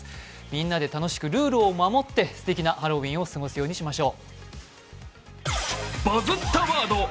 みんなで楽しく、ルールを守ってすてきなハロウィーンを過ごすようにしましょう。